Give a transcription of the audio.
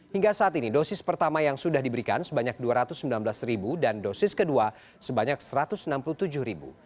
hingga saat ini dosis pertama yang sudah diberikan sebanyak dua ratus sembilan belas ribu dan dosis kedua sebanyak satu ratus enam puluh tujuh ribu